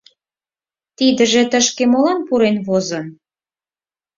Тидыже тышке молан пурен возын?